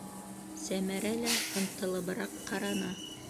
- Сәмәрә лә ынтылыбыраҡ ҡараны.